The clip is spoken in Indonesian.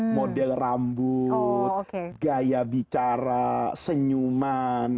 model rambut gaya bicara senyuman